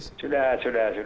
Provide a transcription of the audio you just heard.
sudah sudah sudah